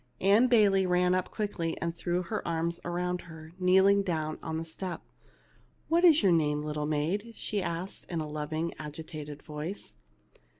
Ann Bayley ran up quickly, and threw her arms around her, kneeling down on the step. " What is your name, little maid ?" said she, in a loving, agitated voice.